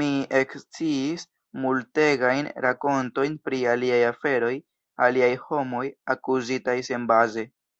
Mi eksciis multegajn rakontojn pri aliaj aferoj, aliaj homoj, akuzitaj senbaze.